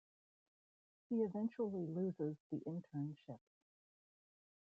He eventually loses the internship.